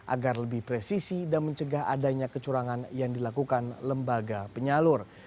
agar lebih presisi dan mencegah adanya kecurangan yang dilakukan lembaga penyalur